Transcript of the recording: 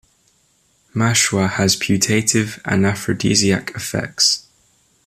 Mashua has putative anaphrodisiac effects.